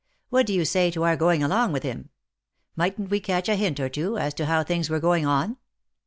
What do you say to our going along with him ? Mightn't we catch a hint or two, as to how things were going on?"